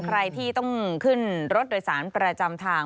ใครที่ต้องขึ้นรถโดยสารประจำทาง